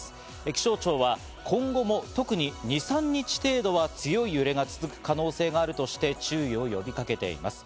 気象庁は今後も特に２３日程度は強い揺れが続く可能性があるとして注意を呼びかけています。